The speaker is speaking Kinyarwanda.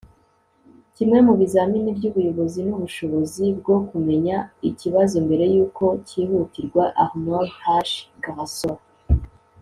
kimwe mu bizamini by'ubuyobozi ni ubushobozi bwo kumenya ikibazo mbere yuko cyihutirwa. - arnold h. glasow